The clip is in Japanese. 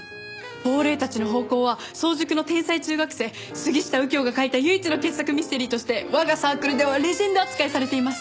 『亡霊たちの咆哮』は早熟の天才中学生杉下右京が書いた唯一の傑作ミステリーとして我がサークルではレジェンド扱いされています。